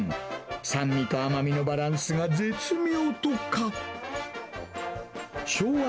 酸味と甘みのバランスが絶妙とか。